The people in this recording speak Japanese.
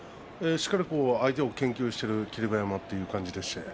しっかり相手を研究している霧馬山という感じでしたね。